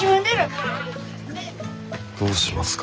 どうしますか？